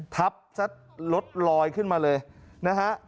ทับซัดรถลอยขึ้นมาเลยนะฮะ